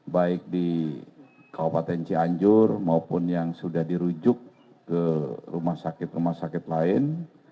baik di kabupaten cianjur maupun yang sudah dirujuk ke rumah sakit rumah sakit lain